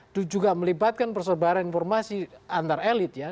itu juga melibatkan persebaran informasi antar elit ya